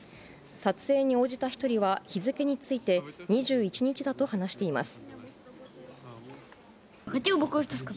撮影に応じた１人は日付について、２１日だと話しています。